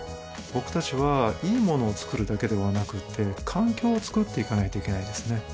僕達はいいものをつくるだけではなくって環境をつくっていかないといけないですね